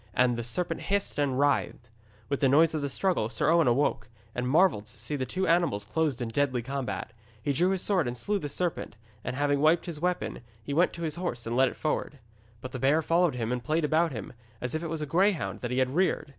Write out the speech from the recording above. And the serpent hissed and writhed. With the noise of the struggle Sir Owen awoke, and marvelled to see the two animals closed in deadly combat. He drew his sword and slew the serpent, and having wiped his weapon, he went to his horse and led it forward. But the bear followed him and played about him, as if it was a greyhound that he had reared.